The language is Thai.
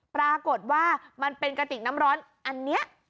ปรากฏว่ามันเป็นกระติกน้ำร้อนอันนี้